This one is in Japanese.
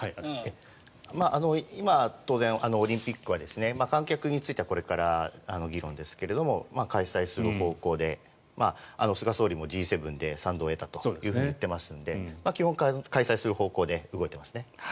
今、当然オリンピックは観客についてはこれから議論ですが開催する方向で菅総理もＧ７で賛同を得たと言っていますので基本、開催する方向で動いていますね。